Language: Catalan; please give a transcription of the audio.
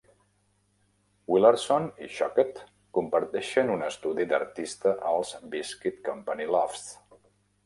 Willardson i Shocked comparteixen un estudi d"artista als Biscuit Company Lofts.